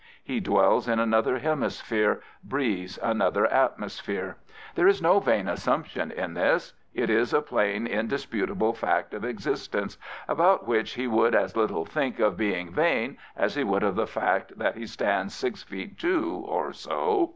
He dwells in another he^jisphere, breathes another atmosphere. There is no vain assumption in this. It is a plain, indisputable fact of existence, about which he would as little think of being vain as he would of the fact that he stands six feet two or so.